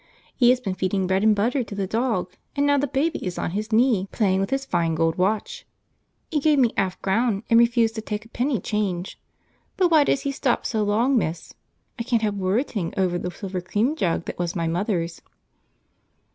He has been feeding bread and butter to the dog, and now the baby is on his knee, playing with his fine gold watch. He gave me a 'alf a crown and refused to take a penny change; but why does he stop so long, miss? I can't help worriting over the silver cream jug that was my mother's."